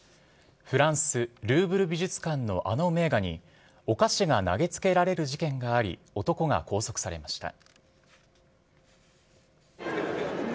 フランス・ルーブル美術館のあの名画に、お菓子が投げつけられる事件があり、男が拘束されました。